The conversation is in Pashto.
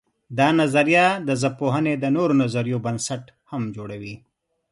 دا نظریه د ژبپوهنې د نورو نظریو بنسټ هم جوړوي.